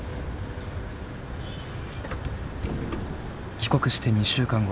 帰国して２週間後。